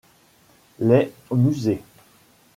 Les musées.